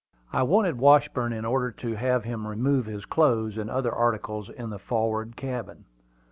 I wanted Washburn, in order to have him remove his clothes and other articles into the forward cabin.